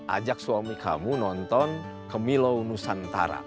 ajak suami kamu nonton ke milau nusantara